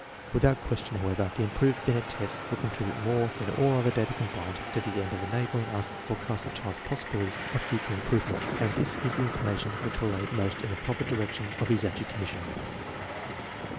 Without question, however, the improved Biuct tests will contribute more than all other data combined to the end of enabling us to forecast a child's possibilities of future im provement, and this is the information which will aid most in the proper direction of his education".